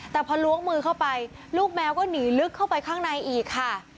แต่พอล้วงมือเข้าไปลูกแมวก็หนีลึกเข้าไปข้างในอีกค่ะ